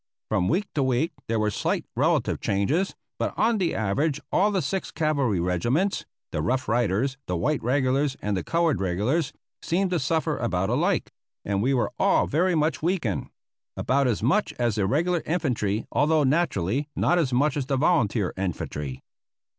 From week to week there were slight relative changes, but on the average all the six cavalry regiments, the Rough Riders, the white regulars, and the colored regulars seemed to suffer about alike, and we were all very much weakened; about as much as the regular infantry, although naturally not as much as the volunteer infantry.